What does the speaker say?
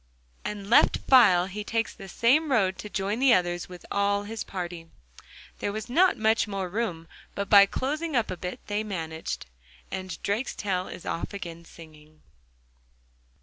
And left file! he takes the same road to join the others with all his party. There was not much more room, but by closing up a bit they managed.... And Drakestail is off again singing.